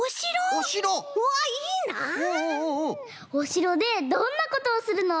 おしろでどんなことをするの？